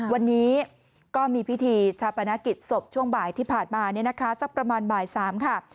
วันนี้ก็มีพิธีชาปนกิจศพช่วงบ่ายที่ผ่านมาเนี่ยนะคะสักประมาณบ่าย๓ค่ะ